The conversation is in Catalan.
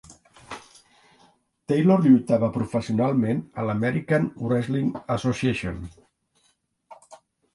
Taylor lluitava professionalment a l'American Wrestling Association.